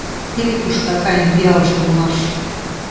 Теве кушто акайын пиалже улмаш!